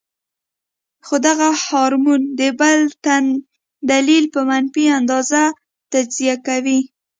خو دغه هارمون د بل تن دليل پۀ منفي انداز تجزيه کوي -